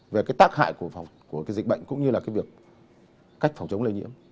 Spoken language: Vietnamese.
về tác hại của dịch bệnh cũng như việc cách phòng chống lây nhiễm